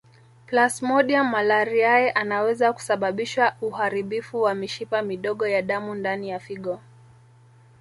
Plasmodium malariae anaweza kusababisha uharibifu wa mishipa midogo ya damu ndani ya figo